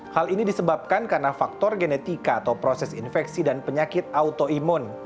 hal ini disebabkan karena faktor genetika atau proses infeksi dan penyakit autoimun